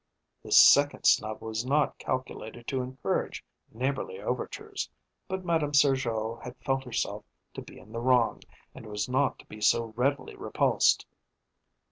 This second snub was not calculated to encourage neighbourly overtures, but Madame Sergeot had felt herself to be in the wrong, and was not to be so readily repulsed.